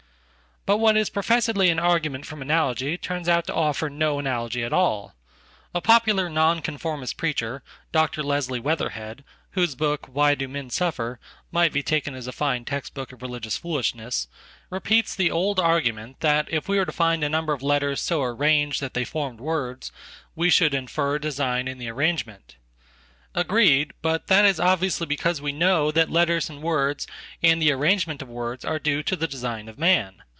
But what is professedly an argument from analogy turns out tooffer no analogy at all. A popular Non conformist preacher, Dr.Leslie Weatherhead, whose book, Why do Men Suffer? might be takenas a fine text book of religious foolishness, repeats the oldargument that if we were to find a number of letters so arrangedthat they formed words we should infer design in the arrangement. Agreed, but that is obviously because we know that letters andwords and the arrangement of words are due to the design of man.